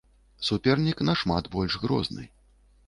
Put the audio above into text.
Супернік нашмат больш грозны.